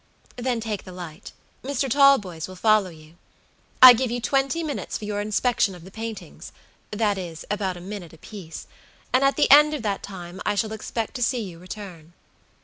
"Then take the light; Mr. Talboys will follow you. I give you twenty minutes for your inspection of the paintingsthat is, about a minute apieceand at the end of that time I shall expect to see you return."